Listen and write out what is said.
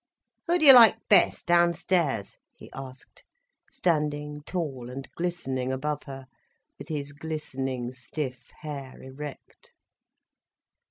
"Who do you like best downstairs?" he asked, standing tall and glistening above her, with his glistening stiff hair erect.